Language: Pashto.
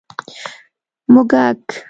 🐁 موږک